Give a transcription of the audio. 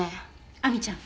亜美ちゃん